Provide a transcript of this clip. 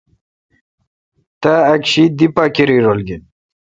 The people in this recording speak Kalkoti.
تا اک شی دی پا کری رل گین۔